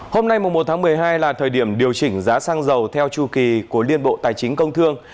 hôm nay một tháng một mươi hai là thời điểm điều chỉnh giá xăng dầu theo chu kỳ của liên bộ tài chính công thương